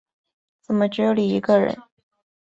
怎么只有你一个人